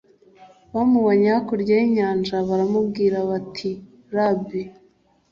bamubonye hakurya y inyanja baramubwira bati rabi